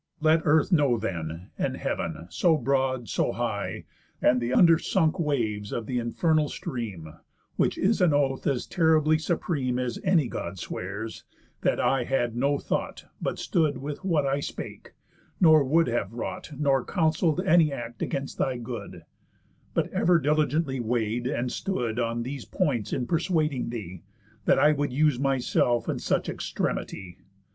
Let earth know then, and heav'n, so broad, so high, And th' under sunk waves of th' infernal stream, (Which is an oath, as terribly supreme, As any God swears) that I had no thought But stood with what I spake, nor would have wrought, Nor counsell'd, any act against thy good; But ever diligently weigh'd, and stood On those points in persuading thee, that I Would use myself in such extremity.